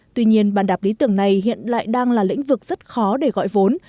tuy nhiên bàn đạp lý tưởng này hiện lại đang là lĩnh vực rất khó để gọi vốn